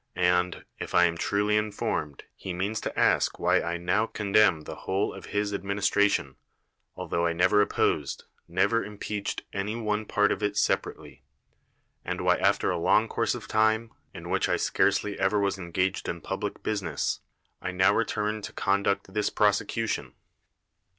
And (if I am truly informed) he means to ask why I now condemn the whole of his administration, altho I never opposed, never impeached any one part of it separately; and why after a long course of time, in which I scarcely ever was engaged in public business, I now return to conduct this prosecution?